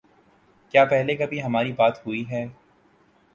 کیا پہلے کبھی ہماری بات ہوئی ہے